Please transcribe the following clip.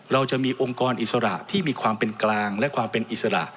เราจะมีองค์กรอิสระที่มีความเป็นกลางและความเป็นอิสระ